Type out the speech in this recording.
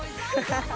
ハハハ。